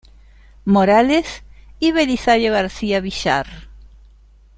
Morales y Belisario García Villar.